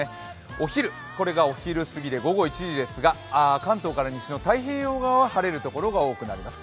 お昼、これがお昼過ぎで午後１時ですが関東から西の太平洋側は晴れるところが多くなります。